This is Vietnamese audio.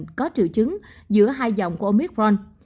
bệnh có triệu chứng giữa hai dòng của omicron